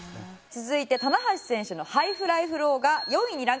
続いて棚橋選手のハイフライフローが４位にランクインしました。